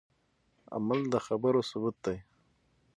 عمل د خبرو ثبوت دی